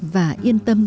và yên tâm